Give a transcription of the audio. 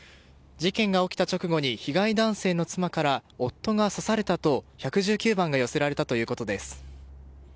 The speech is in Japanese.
事件が起きた直後に被害男性の妻から夫が刺されたと１１９番が寄せられたということです。